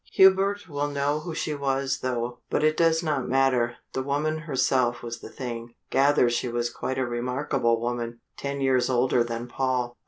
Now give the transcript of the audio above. Hubert will know who she was, though but it does not matter the woman herself was the thing. Gather she was quite a remarkable woman ten years older than Paul."